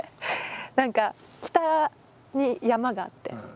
何か北に山があって。